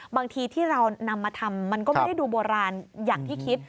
บางทีที่เรานำมาทำมันก็ไม่ได้ดูโบราณอย่างที่คิด